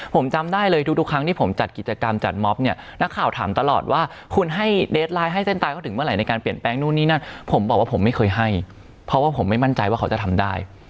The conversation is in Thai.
ผมจำได้เลยทุกครั้งที่ผมจัดกิจกรรมจัดมอบเนี่ยนักข่าวถามตลอดว่าคุณให้เดสไลน์ให้เส้นตายเขาถึงเมื่อไหร่ในการเปลี่ยนแปลงนู่นนี่นั่นผมบอกว่าผมไม่เคยให้เพราะว่าผมไม่มั่นใจว่าเขาจะทำได้